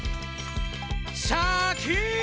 シャキーン！